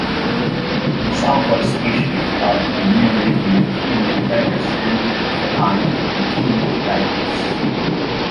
Example species are the murine leukemia virus and the feline leukemia virus.